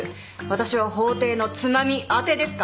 私は法廷のつまみあてですか？